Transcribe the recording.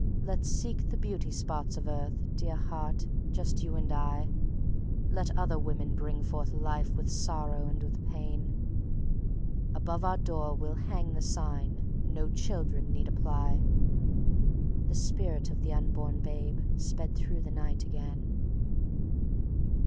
Let's seek the beauty spots of earth, Dear Heart, just you and I; Let other women bring forth life with sorrow and with pain. Above our door we'll hang the sign: 'No children need apply. ...'" The Spirit of the Unborn Babe sped through the night again.